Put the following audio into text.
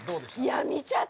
いや見ちゃった！